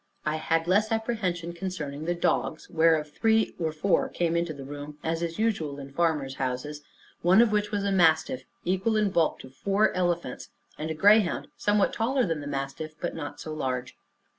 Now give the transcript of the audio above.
I had less apprehension concerning the dogs, whereof three or four came into the room, as is usual in farmers? houses; one of which was a mastiff, equal in bulk to four elephants, and a greyhound somewhat taller than the mastiff, but not so large.